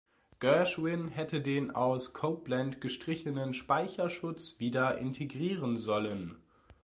Gershwin hätte den aus Copland gestrichenen Speicherschutz wieder integrieren sollen.